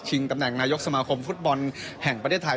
ตำแหน่งนายกสมาคมฟุตบอลแห่งประเทศไทย